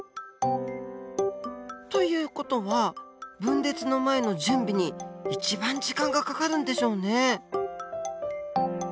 という事は分裂の前の準備に一番時間がかかるんでしょうね。